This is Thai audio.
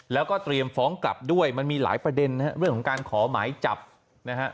แล้วก็เตรียมฟ้องกลับด้วยมันมีหลายประเด็นนะฮะเรื่องของการขอหมายจับนะฮะ